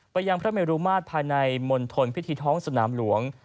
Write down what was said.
ยังพระเมรุมาตรภายในมณฑลพิธีท้องสนามหลวง